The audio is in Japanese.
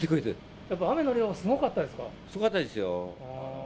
やっぱ雨の量、すごかったですか？